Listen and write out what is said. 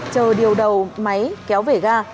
chờ điều đầu máy kéo về ga